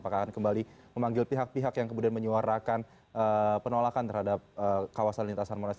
apakah akan kembali memanggil pihak pihak yang kemudian menyuarakan penolakan terhadap kawasan lintasan monas